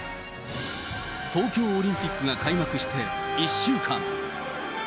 東京オリンピックが開幕して１週間。